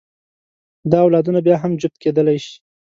دا اولادونه بیا هم جفت کېدلی شي.